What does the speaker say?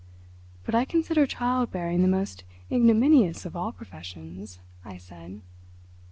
"But I consider child bearing the most ignominious of all professions," I said.